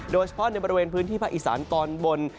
โดยเฉพาะในบริเวณพื้นที่ภาคอีสานตอนบน